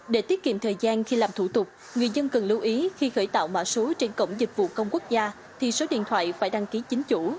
để tiết kiệm thời gian khi làm thủ tục người dân cần lưu ý khi khởi tạo mạ số trên cổng dịch vụ công quốc gia thì số điện thoại phải đăng ký chính chủ